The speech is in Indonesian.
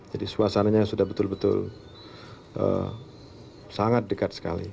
jadi suasananya sudah betul betul sangat dekat sekali